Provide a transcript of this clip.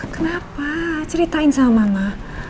kenapa ceritain sama mama